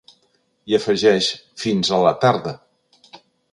I afegeix «Fins a la tarda».